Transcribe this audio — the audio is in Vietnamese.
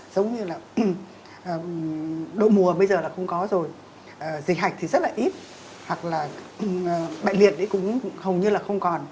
giống như là độ mùa bây giờ là không có rồi dịch hạch thì rất là ít hoặc là bệnh viện ấy cũng hầu như là không còn